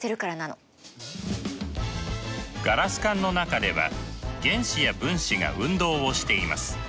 ガラス管の中では原子や分子が運動をしています。